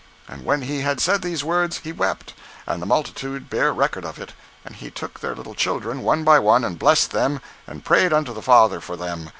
And when He had said these words, He wept, and the multitude bear record of it, and He took their little children, one by one, and blessed them, and prayed unto the Father for them.